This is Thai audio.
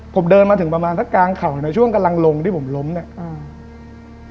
ผมเดินมาถึงประมาณถ้ากลางเข่าในช่วงกำลังลงที่ผมล้มเนี้ยอืม